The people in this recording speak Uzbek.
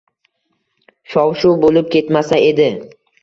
Shov-shuv bo‘lib ketmasa edi.